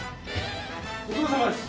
ご苦労さまです。